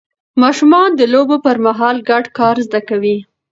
ماشومان د لوبو پر مهال ګډ کار زده کوي